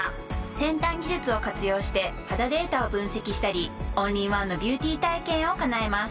先端技術を活用して肌データを分析したりオンリーワンのビューティー体験を叶えます。